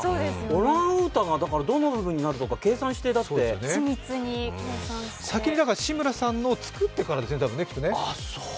オランウータンがどの部分になるのか計算して先に志村さんのを作ってからですね、きっとね。